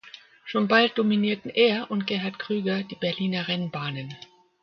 Schon bald dominierten er und Gerhard Krüger die Berliner Rennbahnen.